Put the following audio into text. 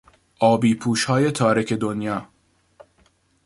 آبیپوشهای تارک دنیا